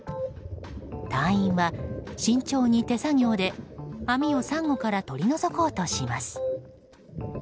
隊員は慎重に手作業で網をサンゴから取り除こうとします。